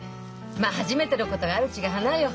まあ初めてのことがあるうちが花よ。